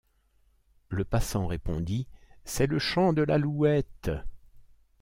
Le passant répondit: — C’est le champ de l’Alouette.